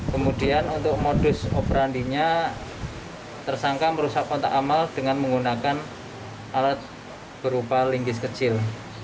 kemudian untuk modus operandinya tersangka merusak kontak amal dengan menggunakan alat berupa lingkis kecil